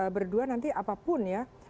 berdua nanti apapun ya